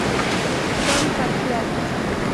Sol parcial.